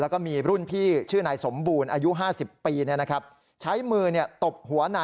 แล้วก็มีรุ่นพี่ชื่อนายสมบูรณ์อายุ๕๐ปีนะครับ